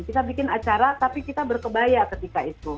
kita bikin acara tapi kita berkebaya ketika itu